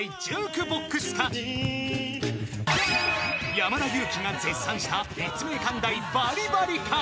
［山田裕貴が絶賛した立命館大バリバリか？］